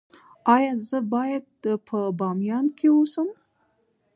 ایا زه باید په بامیان کې اوسم؟